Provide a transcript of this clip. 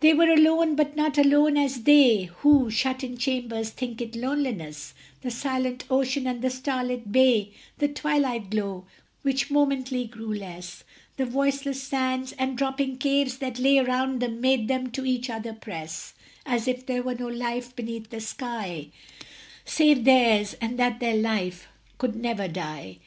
They were alone, but not alone as they Who, shut in chambers, think it loneliness; The silent ocean, and the starlit bay, The twilight glow, which momently grew less, The voiceless sands, and dropping caves, that lay Around them, made them to each other press, As if there were no life beneath the sky Save theirs, and that their life could never die.